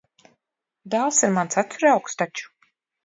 Dēls ir mans acuraugs taču.